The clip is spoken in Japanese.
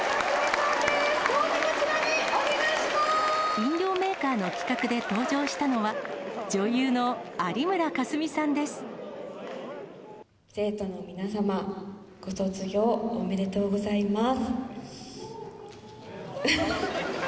飲料メーカーの企画で登場したのは、生徒の皆様、ご卒業おめでとうございます。